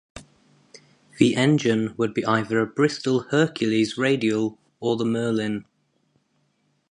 The engine would be either a Bristol Hercules radial or the Merlin.